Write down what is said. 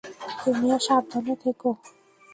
তুমিও সাবধানে থেকো।